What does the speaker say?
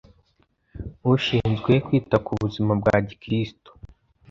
ishinzwe kwita ku buzima bwa gikirisito